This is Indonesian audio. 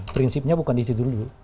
prinsipnya bukan di situ dulu